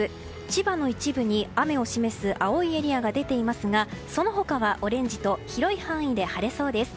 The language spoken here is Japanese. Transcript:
千葉の一部に雨を示す青いエリアが出ていますがその他はオレンジと広い範囲で晴れそうです。